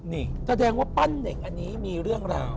นี่แสดงว่าปั้นเน่งอันนี้มีเรื่องราว